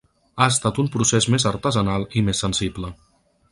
Ha estat un procés més artesanal i més sensible.